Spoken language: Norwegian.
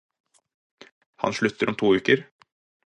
Han slutter om to uker.